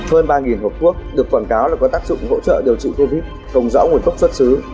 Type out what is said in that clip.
hơn ba hộp thuốc được quảng cáo là có tác dụng hỗ trợ điều trị covid không rõ nguồn gốc xuất xứ